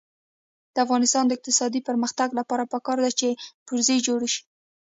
د افغانستان د اقتصادي پرمختګ لپاره پکار ده چې پرزې جوړې شي.